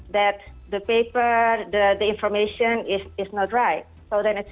bahwa kertas dan informasi itu tidak benar